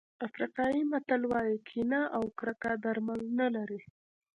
افریقایي متل وایي کینه او کرکه درمل نه لري.